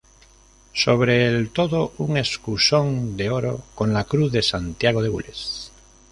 Sobre el todo, un escusón de oro con la Cruz de Santiago de gules.